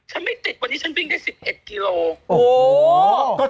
หนุ่มกัญชัยโทรมา